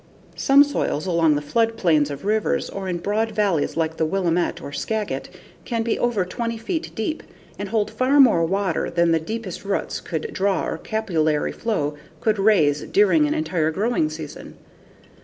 Some soils along the floodplains of rivers or in broad valleys like the Willamette or Skagit can be over 20 feet deep, and hold far more water than the deepest roots could draw or capillary flow could raise during an entire growing season.